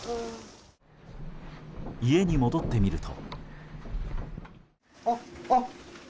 家に戻ってみると。